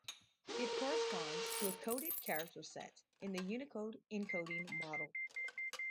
It corresponds to a "coded character set" in the Unicode encoding model.